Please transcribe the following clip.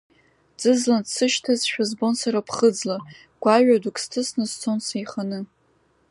Ӡызлан дсышьҭазшәа збон сара ԥхыӡла, гәаҩа дук сҭысны сцон сеиханы.